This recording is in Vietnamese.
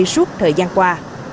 suốt thời gian qua